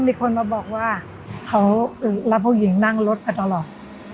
มีคนมาบอกว่าเขารับผู้หญิงนั่งรถมาตลอด